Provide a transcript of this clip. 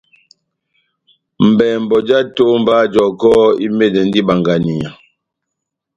Mbɛmbɔ já etómba jɔkɔ́ imɛndɛndi ibanganiya.